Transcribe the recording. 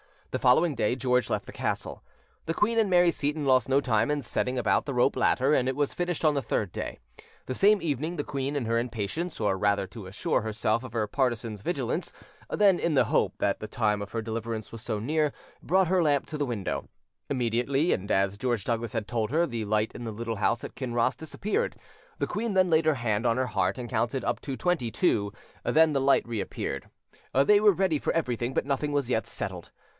The following day George left the castle. The queen and Mary Seyton lost no time in setting about the rope ladder, and it was finished on the third day. The same evening, the queen in her impatience, and rather to assure herself of her partisans' vigilance than in the hope that the time of her deliverance was so near, brought her lamp to the window: immediately, and as George Douglas had told her, the light in the little house at Kinross disappeared: the queen then laid her hand on her heart and counted up to twenty two; then the light reappeared; they were ready for everything, but nothing was yet settled.